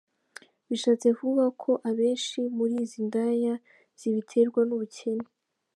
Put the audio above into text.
Bishatse kuvuga ko abenshi muri izi ndaya zibiterwa n’ubukene.